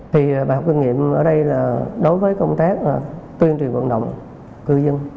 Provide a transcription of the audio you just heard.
thì bài học kinh nghiệm ở đây là đối với công tác tuyên truyền vận động cư dân